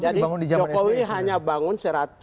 dibangun di jaman sby jadi jokowi hanya bangun